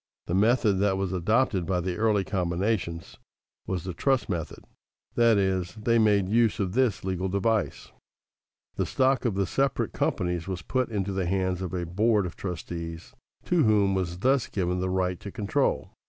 The method that was adopted by the early combinations was the trust method, that is, they made use of this legal device: the stock of the separate companies was put into the hands of a board of trustees to whom was thus given the right to control.